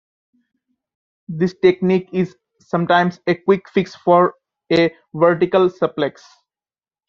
This technique is sometimes a quick fix for a vertical suplex.